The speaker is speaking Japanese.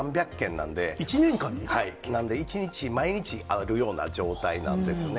なんで、一日、毎日あるような状態なんですよね。